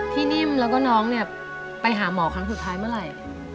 นิ่มแล้วก็น้องเนี่ยไปหาหมอครั้งสุดท้ายเมื่อไหร่